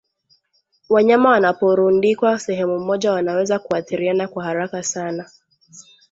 Wanyama wanaporundikwa sehemu moja wanaweza kuathiriana kwa haraka sana